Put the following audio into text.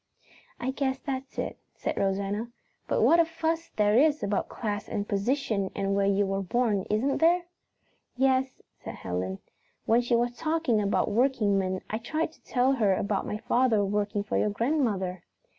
"I guess that's it," said Rosanna. "But what a fuss there is about class and position and where you were born, isn't there?" "Yes," said Helen. "When she was talking about workingmen I tried to tell her about my father working for your grandmother."